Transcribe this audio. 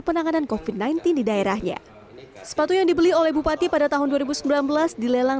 penanganan kofit sembilan belas di daerahnya sepatu yang dibeli oleh bupati pada tahun dua ribu sembilan belas dilelang